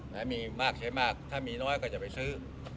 ไหนมีมากใช้มากก็ไม่ต้องซื้อ